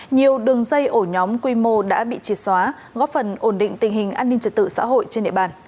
nhiều đường dây ổ nhóm quy mô đã bị triệt xóa góp phần ổn định tình hình an ninh trật tự xã hội trên địa bàn